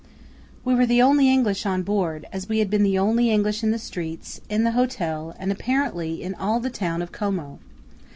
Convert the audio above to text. We were the only English on board, as we had been the only English in the streets, in the hotel, and apparently in all the town of Como.